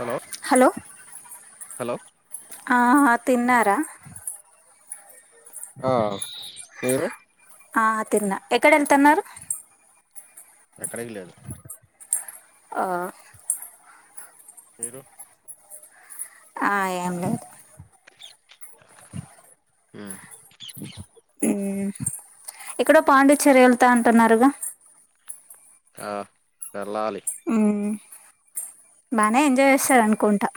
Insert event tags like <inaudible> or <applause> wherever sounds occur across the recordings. Hello hello hello ఆ తిన్నారా ఆ మీరు ఆ తిన్నా ఎక్కడేల్తున్నారు ఎక్కడ్కి లేదు ఆ మీరు ఆ ఏంలేదు మ్మ్ మ్ ఎక్కడో పాండిచ్చెరి వెళ్తా అంటున్నారుగా ఆ వెళ్ళాలి మ్మ్ బానే ఎంజాయ్ చేస్తారన్కుంటా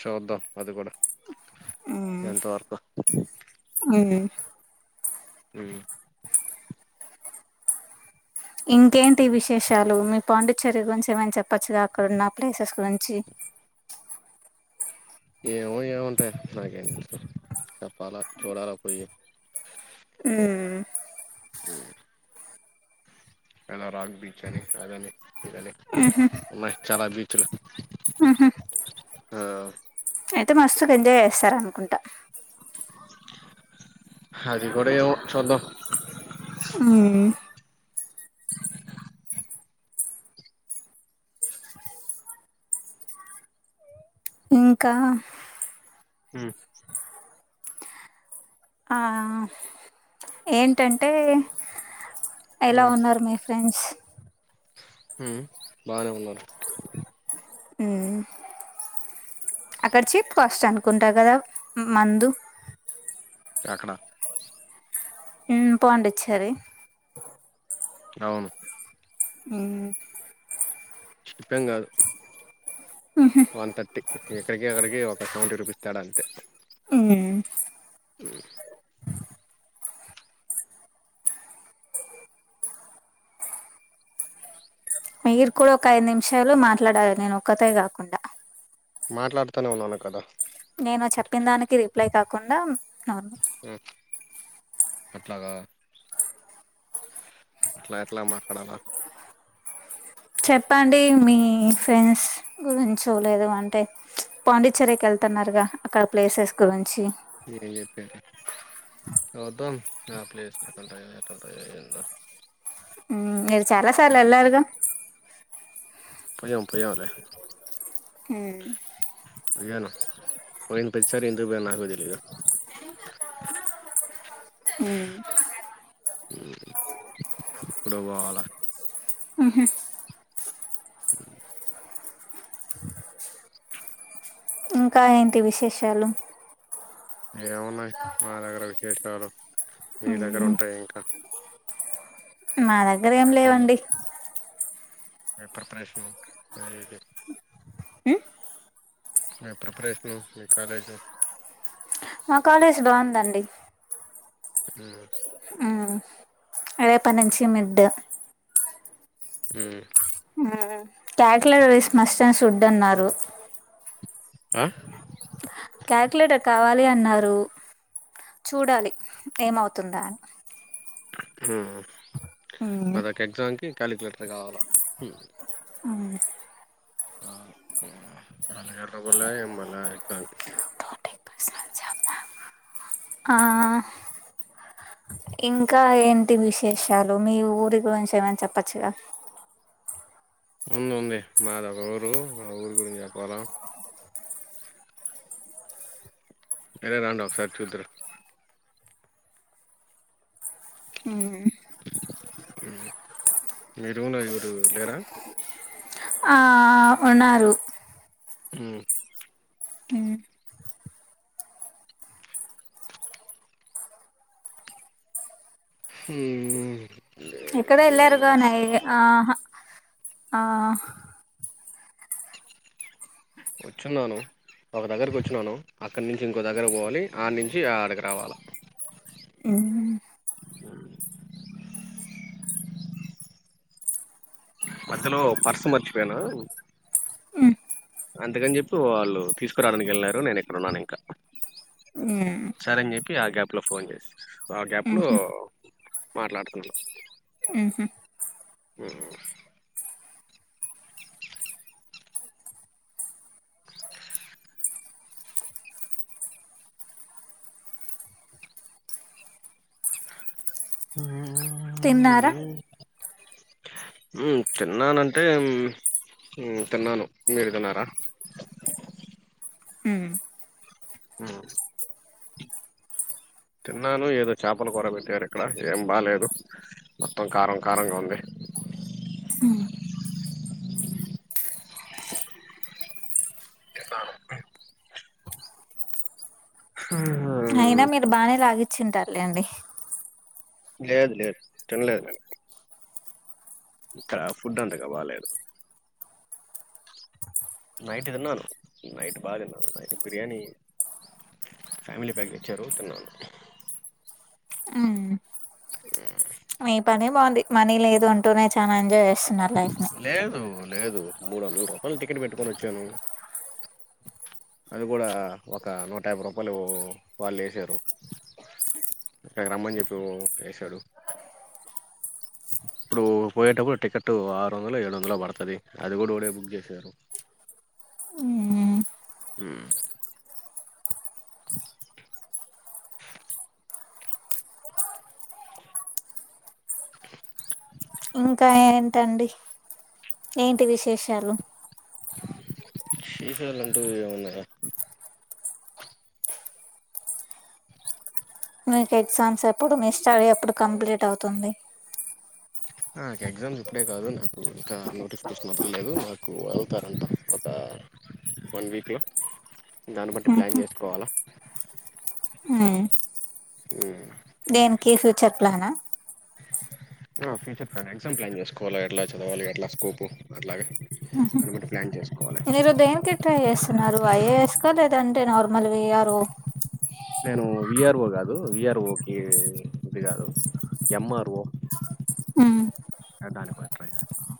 చూద్దం అది కూడా ఎంతవర్కో మ్మ్ మ్ ఇంకేంటి విశేషాలు మీ పాండిచ్చేరి గురించి ఏమైనా చెప్పచ్చుగ అక్కడున్న ప్లేసెస్ గురించి ఏమో ఉంటాయో నాకేం తెల్సు చెప్పాలా చూడాలా పోయి మ్మ్ మ్ ఎనరాం బీచ్ అని అదని ఇదని ఉన్నాయి చాలా బీచ్లు ఆ అయితే మస్తుగా ఎంజాయ్ చేస్తారనుకుంటా అది కూడేమో చూద్దం మ్మ్ ఇంకా మ్ ఆ ఏంటంటే ఎలా ఉన్నారు మీ ఫ్రెండ్స్ మ్ బానే ఉన్నారు మ్ అక్కడ్ చెప్పు కస్ట్ అనుకుంటా కదా మందు ఎక్కడ మ్ పాండిచ్చేరి అవును మ్ చిప్పేం కాదు వన్ థర్టీ ఇక్కడికి అక్కడికి ఒక సెవెంటీ రూపిస్ తేడ అంతే మ్ మీరు కూడా ఒక ఐదు నిమిషాలు మాట్లాడాలి నేను ఒక్కతే కాకుండా మాట్లాడుతనే ఉన్నాను కదా నేను చెప్పిన దానికి రిప్లై కాకుండా నార్మల్ మ్ అట్లాగా అట్లా ఎట్లా మాట్లాడాలా చెప్పండి మీ ఫ్రెండ్స్ గురించో లేదొ అంటే పాండిచ్చేరీకేళ్ ళ్తున్నారుగా అక్కడ ప్లేసెస్ గురించి ఎం చెప్పేద్ ఆ ప్లేస్ ఏటుంటయో ఎటుంటయో ఏందో మ్ మీరు చాలా సార్లు ఎట్లుంటాయో ఎల్లరుగా పోయాం పోయంలే మ్ పోయాను పోయిన ప్రతిసారి ఎందుకు పోయానో నాకు తెలియదు మ్ ఇప్పుడువల్ మ్ హు ఇంకా ఏంటి విశేషాలు ఏమున్నాయి మా దగ్గర విశేషాలు మీ దగ్గర ఉంటాయి ఇంకా మా దగ్గర ఏం ఎట్టుంది లేవండి మీ ప్రిరేషన్ ఐఐటీ మీ ప్రిపరేషన్స్ మీ కాలేజు మా కాలేజ్ బాగుందండి మ్ రేప్పాన్ నుంచి mid um <unintelligible> must and should అన్నారు ఆ క్యాలిక్యులేటర్ కావాలి అన్నారు చూడాలి ఏమవుతుందా అని మ్ ప్రతోక్క ఎగ్జామ్కి కాలిక్యులేటర్ కావాలా మ్ మ్ <inaudible> ఆ ఇంకా ఏంటి విశేషాలు మీ ఊరి గురించి ఏమనా చెప్పచ్చుగా ఉంది ఉంది మాది ఒక ఊరు మా ఊరి గురించి చెప్పాల మీరే రండి ఒకసారి చూద్దురు అ మీ రుమ్ లా ఎవరు లేరా ఆ ఉన్నారు మ్ హ్మ్ ఇక్కడ వెళ్ళారుగానై ఆహా ఆ కూర్చున్నాను ఒక దగ్గరకు ఒచ్చినాను అక్కడి నుంచి ఇంకో దగ్గరకు పోవాలి ఆడ నుంచి ఆడకి రావాల ఉమ్ మధ్యలో పర్స్ మర్చిపోయాను మ్మ్ అందుకని చెప్పి వాళ్ళు తీసుకురాడానికి వెళ్ళినారు నేను ఇక్కడున్నాను ఇంకా మ్మ్ సరే అని చెప్పి ఆ గ్యాప్ లో ఫోన్ చేస్ ఆ గ్యాప్ లో మాట్లాడుతున్నా మ్మ్ మ్మ్ మ్ మ్ తిన్నార ఉమ్ తిన్నానంటే తిన్నాను మీరు తిన్నారా మ్ తిన్నాను ఏదో చాపల కూర పెట్టారు ఇక్కడ ఏం బాలేదు మొత్తం కారం కారంగా ఉంది హ్మ్ తిన్నాను అయినా మీరు బానే లాగిచ్చింటారులేండి లేదు లేదు తినలేదు నేను ఇక్కడ ఫుడ్ అంతగా బాలేదు నైట్ తిన్నాను నైట్ బా తిన్నాను నైట్ బిర్యానీ ఫ్యామిలీ ప్యాక్ తెచ్చారు తిన్నాను మ్మ్ మ్ మీ పనే బావుంది మనీ లేదు అంటూనే చాలా ఎంజాయ్ జేస్తున్నారు లైఫ్ ని లేదు లేదు మూడు వందల రూపాయల టికెట్ పెట్టుకొని వచ్చాను అది గూడా ఒక నూట యాభై రూపాయలు వాళ్ళు వేసారు ఇక్కడికి రమ్మని చెప్పి వేసాడు ఇప్పుడు పోయేటప్పుడు టికెట్ ఆరు వందలు ఏడు వందలో పడుతది అది గూడా ఓడే బుక్ చేశారు మ్ మ్ ఇంకా ఏంటండి ఏంటి విశేషాలు ఫ్యూచర్లంటూ ఏమున్నాయా మీకు ఎగ్జామ్స్ ఎప్పుడు మీ స్టడీ ఎప్పుడు కంప్లీట్ అవుతుంది నాకు ఎగ్జామ్ ఇప్పుడే కాదు నాకు ఇంకా నోటిఫికేషన్ వదల్లేదు నాకు వెళ్తారంట వన్ వీక్లో దాన్ని బట్టి ప్లాన్ మ్హూ. జేసుకోవాలా మ్మ్. ఉమ్ దేనికి ఫ్యూచర్ ప్లానా ఆ ఫ్యూచర్ ప్లాన్ ఎగ్జామ్ ప్లాన్ చేసుకోవాల ఎట్లా చదవాలి ఎట్లా స్కోప్ అట్లాగే అనుకుంట ప్లాన్ చే మీరు దేనికి ట్రై మల్ల విఆర్ఓ నేను విఆర్ఓ కాదు విఆర్ఓ కి ఇది కాదు ఎంఆర్ఓ మ్మ్. అవడానికి ట్రై చేస్తున్నాను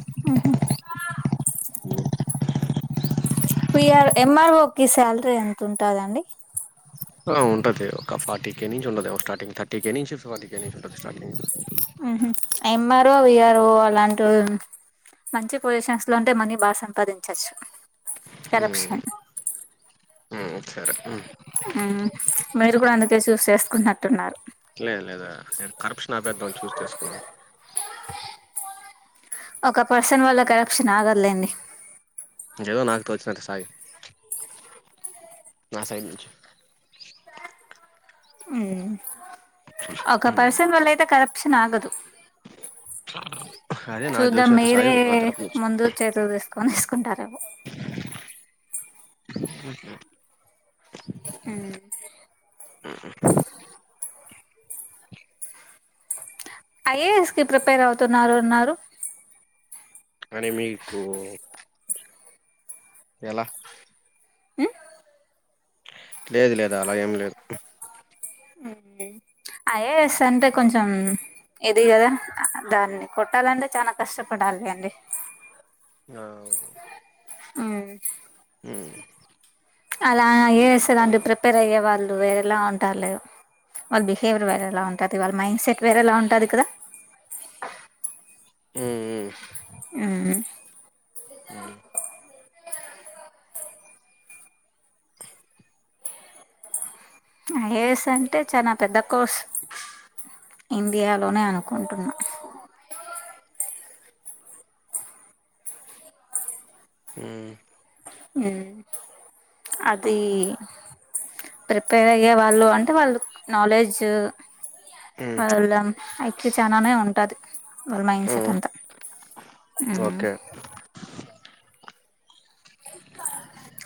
వి ఆర్ ఎంఆర్ఓ కి సాలరీ ఎంత ఉంటాదండి ఉంటది ఒక ఫార్టీ కే నుంచి ఉంటది ఒక స్టార్టింగ్ థర్టీ కే నుంచి ఫార్టీ కే నుంచి ఉంటుంది స్టార్టింగ్ ఉ హు ఎంఆర్ఓ విఆర్ఓ అలాంటి మంచి పొజిషన్స్ లో ఉంటే మనీ బాగా సంపాదించచ్చు మ్మ్ కరప్షన్ మ్మ్ సరే ఉ మ్మ్ మీరు కూడా అందుకే చూస్ చేసుకున్నట్టున్నారు లేద్ లేదు నేను కరప్షన్ ఆపేద్దాం అని చూస్ చేసుకున్నాను ఒక పర్సన్ వల్ల కరప్షన్ ఆగదులేండి ఏదో నాకు తోచినంత సాయం నా సైడ్ నుంచి ఉ ఒక మ్మ్ పర్సన్ వల్ల అయితే కరప్షన్ ఆగదు అదే నాకు చూదాం తోచినంత మీరే సాయం నా తరపు నుంచి ముందు చేతు తీస్కొన్ ఎస్ కుంటారేమో ఉ ఐఏఎస్ కి ప్రిపేర్ అవుతున్నారు అన్నారు అని మీకు ఎలా ఉమ్ లేదు లేదు అలా ఏం లేదు ఉ ఐఏఎస్ అంటే కొంచం ఇది కదా దాన్ని కొట్టాలంటే చానా కష్టపడాలి అండి ఆ ఉ ఉ అలా ఐఏఎస్ లాంటి ప్రిపేర్ అయ్యే వాళ్ళు వేరేలా ఉంటారులే వాళ్ళ బిహేవియర్ వేరే ఎలా ఉంటది వాళ్ళ మైండ్ సెట్ వేరే ఎలా ఉంటది కదా ఉ ఉ ఉ హ్మ్ ఐఏఎస్ అంటే చానా పెద్ద కోర్స్ ఇండియాలోనే అనుకుంటున్నా ఉ ఉ అది ప్రిపేర్ అయ్యే వాళ్ళు అం టే వాళ్ళు నాలెడ్జ్ హ్మ్ వాళ్ళ ఐక్యూ చాననే ఉంటది మైండ్ సెట్ హ్మ్ అంతా ఓకే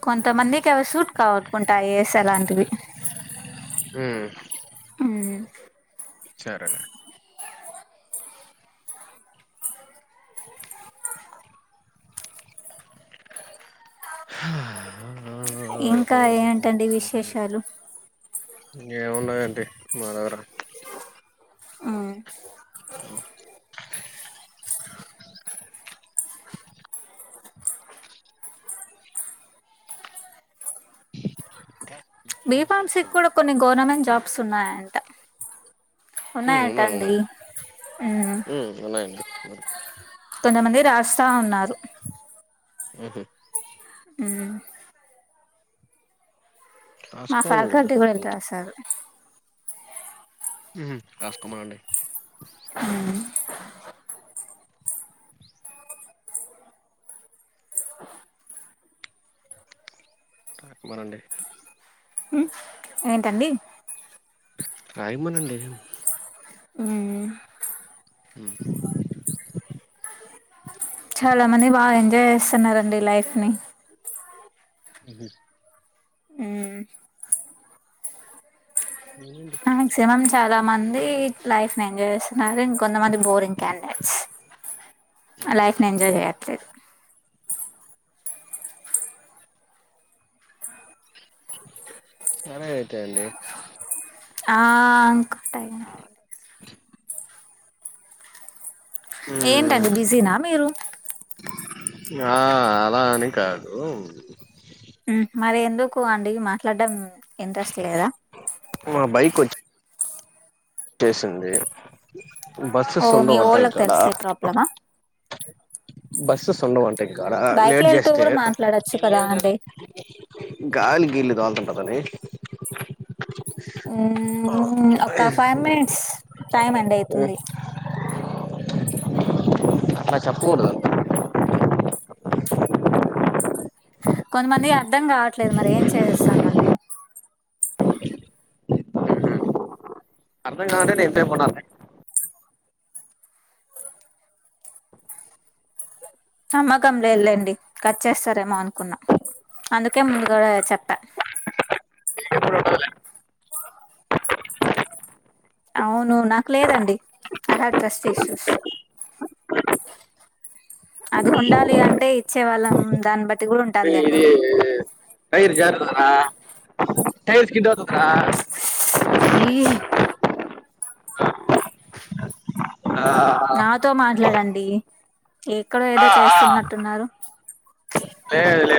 కొంత మందికి అవి సూట్ కావుకుంటా ఐ ఏ ఎస్ అలాంటివి ఉ ఉ సరేలే ఇంకా ఏంటండి విశేషాలు ఏమున్నదండీ మా దగ్గర అ బిఫామ్సీ కూడా కొన్ని గవర్నమెంట్ జాబ్స్ ఉన్నాయంట ఉన్నయ్ హ్మ్ అంట ఉన్నాయి అండి ఉన్నాయి హ్మ్ ఉన్నాయండి కొంతమంది రాస్తా అన్నారు ఊహూ ఊ మా రాసుకోండి ఫాకల్టి కూడ ఎళ్ రాసారు ఊహూ రాసుకోమనండి మ్ రాయమనండి ఉ ఏంటండి రాయమనండి మ్ ఊహూ చాల మంది బా ఎంజాయ్ చేస్తున్నారండి లైఫ్ ని మ్ నేనండి మాక్సిమం చాలా మంది లైఫ్ ని ఎంజాయ్ చేస్తున్నారు ఇంకొంతమంది బోరింగ్ క్యాండేట్స్ అ హ్మ్. లైఫ్ ని ఎంజాయ్ చేయట్లేదు ఐతే అండి ఆ అంక టైం అవ్వలేదు హ్మ్ ఏంటండి బిజీనా మీరు ఆ అల అని కాదూ మ్ మరి ఎందుకు అండి మాట్లాడ్డం ఇంట్రెస్ట్ లేదా మా బైకొచ్చ్ చేసింది ఓ బస్సెస్ మీ ఉండవ్ అంట ఓళ్ళకి ఇక్కడ తెలిస్తే ప్రాబ్లమా బస్సెస్ ఉండవన్ ఇక్కడ బైక్లో లేట్ వెళ్తూ చేస్తే కూడా మాట్లాడొచ్చు కదా అండి గాలి నీల్లు గాల్తుంటదని ఊమ్మ్ ఒక్క ఫైవ్ మినిట్స్ టైమ్ ఎండ్ ఐతుంది అట్ల చెప్పకూడదు కొందమందికి అర్థం కావట్లేదు మరి ఏం చేసేస్తామండి అర్ధం కావాలంటే నె ఎంతసేపు ఉండాలి నమ్మకం లేద్లెండి కట్ చేస్తరేమో అన్కున్న అందుకె ముందుగా చెప్పా ఔను నాక్ లేదండి ఐ హడ్ ట్రస్ట్ ఇష్షూస్ అది వుండాలి అంటె ఇచ్చె వాళ్ళం దాన్ బట్టి గూడ ఉంటాద్లెండి ఇది టైర్ జార్తది రా టైర్ స్కిడ్ ఔతద్ రా ఈహ్ ఆ ట్లాడండి ఎక్కడో ఏదో చేస్తున్నట్టున్నారు ఏమిలే